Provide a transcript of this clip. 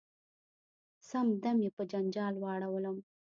سم دم یې په جنجال واړولم .